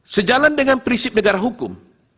sejalan dengan prinsip negara hukum